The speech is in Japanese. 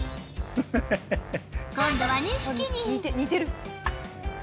今度は２匹に。